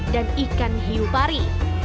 dan ikan hiupari